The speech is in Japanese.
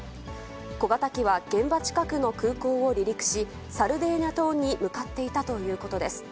小型機は現場近くの空港を離陸し、サルデーニャ島に向かっていたということです。